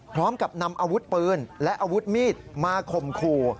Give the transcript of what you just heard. พร้อมกับนำอาวุธปืนและอาวุธมีดมาข่มขู่